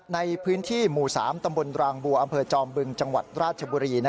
ในพื้นที่หมู่๓ตำบลรางบัวอำเภอจอมบึงจังหวัดราชบุรี